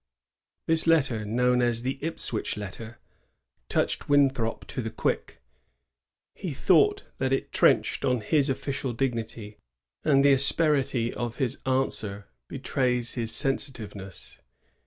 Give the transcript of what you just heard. This letter, known as the ^^ Ipswich letter," touched Winthrop to the quick. He thought that it trenched on his official dignity, and the asperity of his answer betrays his sensitiveness.